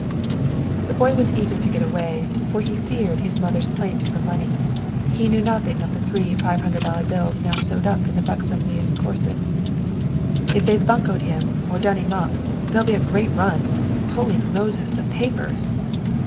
The boy was eager to get away, for he feared his mother's plaint for money. He knew nothing of the three five hundred dollar bills now sewed up in the buxom Leah's corset. "If they've buncoed him or done him up, there'll be a great run! Holy Moses! The papers!"